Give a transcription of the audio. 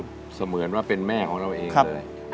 เสมือนว่าเป็นแม่ของเราเองเลย